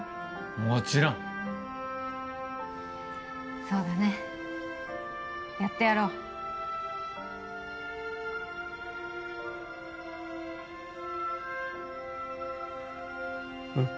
もちろんそうだねやってやろううん？